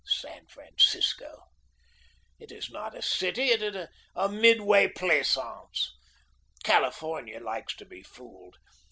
San Francisco! It is not a city it is a Midway Plaisance. California likes to be fooled.